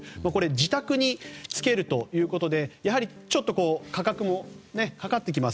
自宅につけるということでちょっと価格もかかってきます。